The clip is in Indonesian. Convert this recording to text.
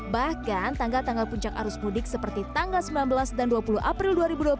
bahkan tanggal tanggal puncak arus mudik seperti tanggal sembilan belas dan dua puluh april dua ribu dua puluh